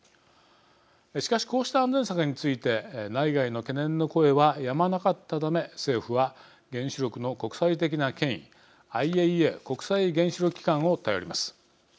しかし、こうした安全策について内外の懸念の声はやまなかったため政府は、原子力の国際的な権威ＩＡＥＡ・国際原子力機関を頼ります。